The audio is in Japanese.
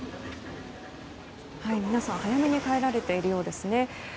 皆さん早めに帰られているようですね。